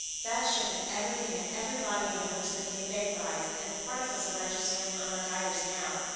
That ship and everything and everybody in her were simply vaporized, and the particles are registering on our geigers now.